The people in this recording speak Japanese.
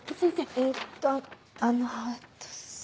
えっとあのえっと。